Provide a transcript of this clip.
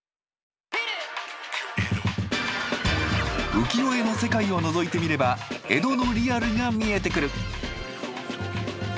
浮世絵の世界をのぞいてみれば江戸のリアルが見えてくる。